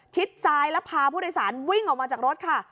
ซ้ายแล้วพาผู้โดยสารวิ่งออกมาจากรถค่ะ